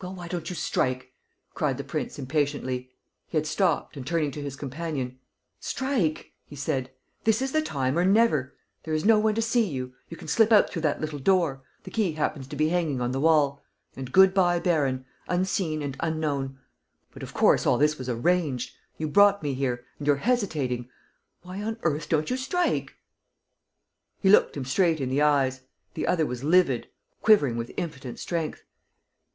"Well, why don't you strike?" cried the prince, impatiently. He had stopped and, turning to his companion: "Strike!" he said. "This is the time or never. There is no one to see you. You can slip out through that little door; the key happens to be hanging on the wall; and good bye, baron ... unseen and unknown! ... But, of course, all this was arranged ... you brought me here. ... And you're hesitating! Why on earth don't you strike?" He looked him straight in the eyes. The other was livid, quivering with impotent strength.